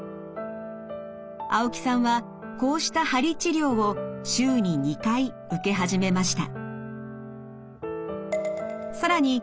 青木さんはこうした鍼治療を週に２回受け始めました。